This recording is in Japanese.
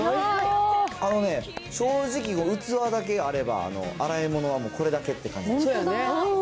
あのね、正直、器だけあれば洗い物はもうこれだけって感じです。